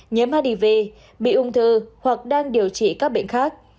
nhiễm hiv bị ung thư hoặc đang điều trị các bệnh khác